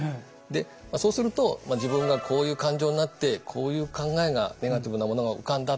でそうすると自分がこういう感情になってこういう考えがネガティブなものが浮かんだ。